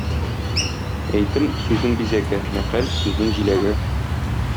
Әйтем — сүзнең бизәге, мәкаль — сүзнең җиләге.